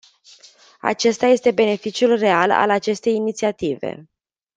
Acesta este beneficiul real al acestei inițiative.